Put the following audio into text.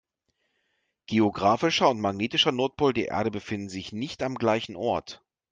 Geographischer und magnetischer Nordpol der Erde befinden sich nicht am gleichen Ort.